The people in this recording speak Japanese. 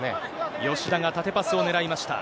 吉田が縦パスを狙いました。